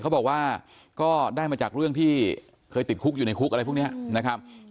เขาบอกว่าก็ได้มาจากเรื่องที่เคยติดคุกอยู่ในคุกอะไรพวกนี้นะครับ